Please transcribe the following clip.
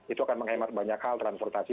itu akan menghemat banyak hal transportasi